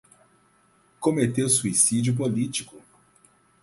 Cometeu suicídio político